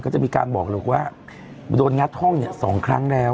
ก็จะมีการบอกเลยว่าโดนงัดห้องเนี่ย๒ครั้งแล้ว